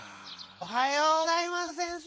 おはようございます先生！